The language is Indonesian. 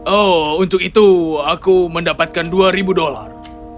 oh untuk itu aku mendapatkan dua ribu dolar